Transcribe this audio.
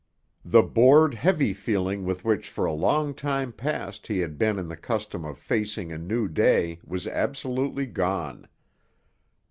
The bored, heavy feeling with which for a long time past he had been in the custom of facing a new day was absolutely gone.